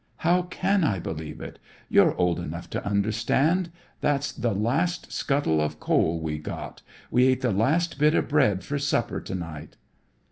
"How can I believe it? You're old enough to understand. That's the last scuttle of coal we got. We ate the last bit of bread for supper to night."